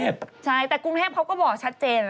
ใช่แต่กรุงเทพเขาก็บอกชัดเจน